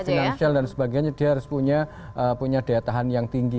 finansial dan sebagainya dia harus punya daya tahan yang tinggi